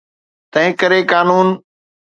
تنهنڪري قانون.